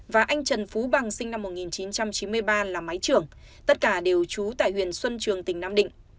và anh trần phú bằng sinh năm một nghìn chín trăm chín mươi ba là máy trưởng tất cả đều trú tại huyện xuân trường tỉnh nam định